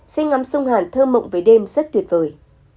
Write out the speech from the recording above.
sẽ ngắm sông hàn thơm mộng về đêm rất tuyệt vời